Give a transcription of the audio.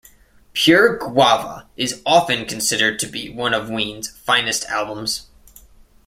"Pure Guava" is often considered to be one of Ween's finest albums.